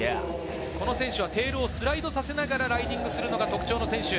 この選手はテールをスライドさせながらライディングするのが特徴の選手。